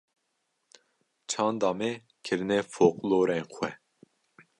çanda me kirine foqlorên xwe.